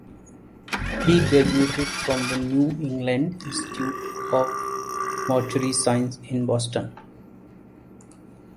He graduated from the New England Institute of Mortuary Science in Boston.